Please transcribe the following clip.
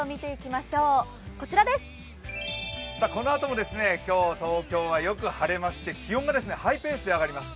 このあとも今日、東京はよく晴れまして気温はハイペースで上がります。